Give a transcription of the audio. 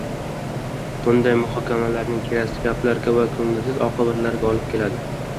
Bunday muhokamalarning keraksiz gaplarga va ko‘ngilsiz oqibatlarga olib keladi.